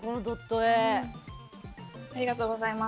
ありがとうございます。